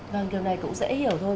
vâng điều này cũng dễ hiểu thôi